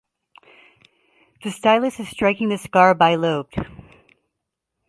The stylus is striking the scar bilobed.